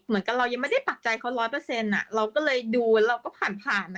เรายังไม่ได้ปักใจเขาร้อยเปอร์เซ็นต์เราก็เลยดูแล้วเราก็ผ่านผ่าน